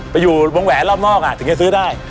ไปอยู่วงแหวนรอบนอกถึงจะซื้อได้